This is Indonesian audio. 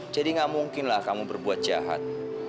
jadi nggak mungkinlah kamu berbuat jahat